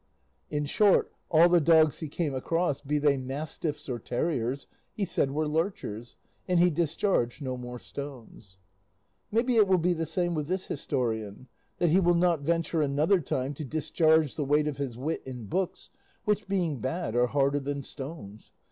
In short, all the dogs he came across, be they mastiffs or terriers, he said were lurchers; and he discharged no more stones. Maybe it will be the same with this historian; that he will not venture another time to discharge the weight of his wit in books, which, being bad, are harder than stones.